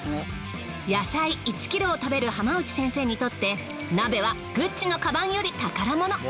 野菜１ｋｇを食べる浜内先生にとって鍋はグッチのカバンより宝物。